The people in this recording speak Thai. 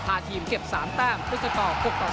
พาทีมเก็บ๓ตั้งก็จะต่อ๖ต่อ๔